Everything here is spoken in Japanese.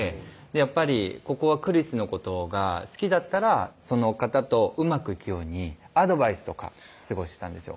やっぱりここはクリスのことが好きだったらその方とうまくいくようにアドバイスとかすごいしてたんですよ